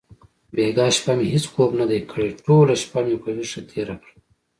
بیګا شپه مې هیڅ خوب ندی کړی. ټوله شپه مې په ویښه تېره کړه.